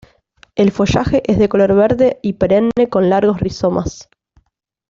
El follaje es de color verde y perenne con largos rizomas.